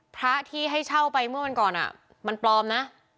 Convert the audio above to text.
พระที่ให้เช่าไปเมื่อวันก่อนมันปลอมนะ